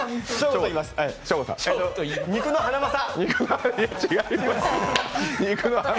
肉のハナマサ。